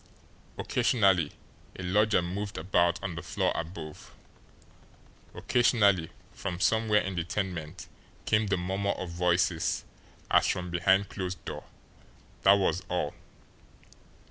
Occasionally a lodger moved about on the floor above; occasionally from somewhere in the tenement came the murmur of voices as from behind closed door that was all.